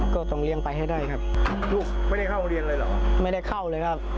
ก็ต้องเรียนไปให้ได้ครับ